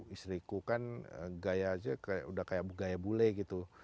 istriku kan gaya aja udah kayak gaya bule gitu